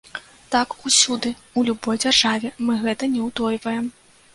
Так усюды, у любой дзяржаве, мы гэта не ўтойваем.